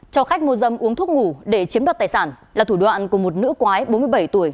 cho khách mua dâm uống thuốc ngủ để chiếm đoạt tài sản là thủ đoạn của một nữ quái bốn mươi bảy tuổi